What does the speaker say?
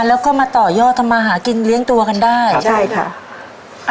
แล้วก็มาต่อยอดทำมาหากินเลี้ยงตัวกันได้ใช่ค่ะ